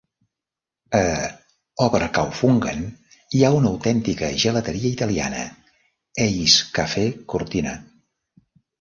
A Oberkaufungen hi ha una autèntica gelateria italiana, Eis Cafe Cortina.